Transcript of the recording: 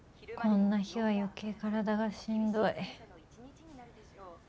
こんな日は余計体がしんどい。